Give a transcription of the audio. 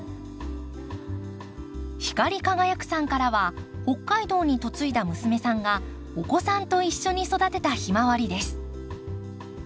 ひかりかがやくさんからは北海道に嫁いだ娘さんがお子さんと一緒に育てたヒマワリです。